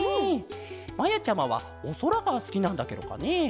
まやちゃまはおそらがすきなんだケロかね？